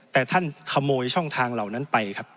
แต่ท่านขโมยช่องทางเหล่านั้นไปครับ